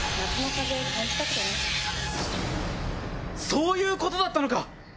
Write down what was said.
そういうことだったのか！